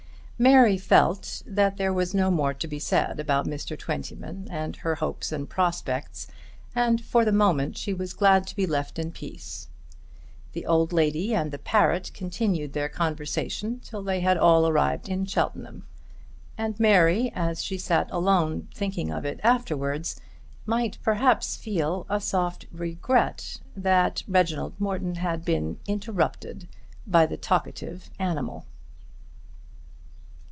Mary felt that there was no more to be said about Mr. Twentyman and her hopes and prospects, and for the moment she was glad to be left in peace. The old lady and the parrot continued their conversation till they had all arrived in Cheltenham; and Mary as she sat alone thinking of it afterwards might perhaps feel a soft regret that Reginald Morton had been interrupted by the talkative animal.